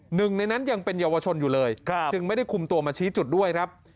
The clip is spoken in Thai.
หนึ่งในนั้นยังเป็นเยาวชนอยู่เลยจึงไม่ได้คุมตัวมาชี้จุดด้วยครับ